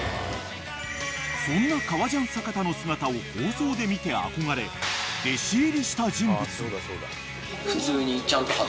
［そんな革ジャン阪田の姿を放送で見て憧れ弟子入りした人物］